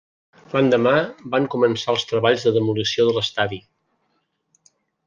L'endemà van començar els treballs de demolició de l'estadi.